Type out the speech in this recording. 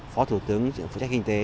phó thủ tướng phó trách kinh tế